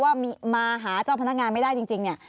ว่ามาหาเจ้าพนักงานไม่ได้จริงเนี่ย